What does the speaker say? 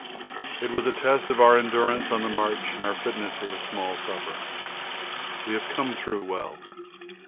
It was a test of our endurance on the march and our fitness with small supper. We have come through well.